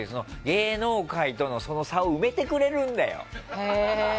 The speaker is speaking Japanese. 芸能界との差を埋めてくれるんだよ。